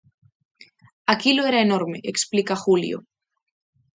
Aquilo era enorme, explica Julio.